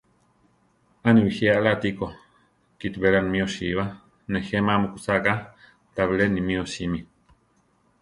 A ni bijí alá atíko, kiti beláni mí osíba; nejé ma mukúsa ka, tabilé ni mi osími.